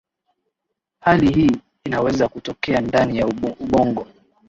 hali hii inaweza kutokea ndani ya ubongo